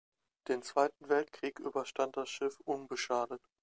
Den Zweiten Weltkrieg überstand das Schiff unbeschadet.